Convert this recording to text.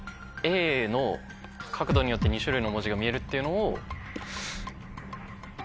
「角度によって２種類の文字が見える」っていうのを。